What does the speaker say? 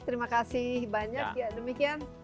terima kasih banyak demikian